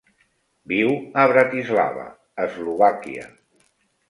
Viu a Bratislava, Eslovàquia.